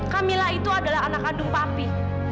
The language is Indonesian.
camilla itu adalah anak kandung papi